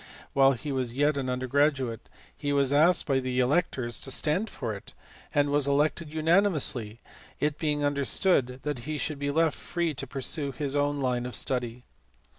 while he was yet an undergraduate, he was asked by the electors to Hnai for it, and was elected unanimously, it being understood that he should be left free to pursue his own line of study.